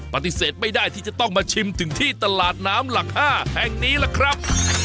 ปฏิเสธไม่ได้ที่จะต้องมาชิมถึงที่ตลาดน้ำหลัก๕แห่งนี้ล่ะครับ